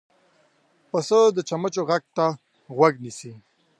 پسه د چمچمو غږ ته غوږ نیسي.